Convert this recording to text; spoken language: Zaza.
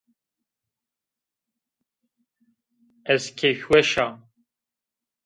Ez keyfweş a